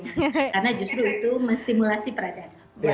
karena justru itu menstimulasi peran peran